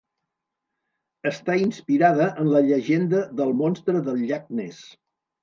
Està inspirada en la llegenda del Monstre del Llac Ness.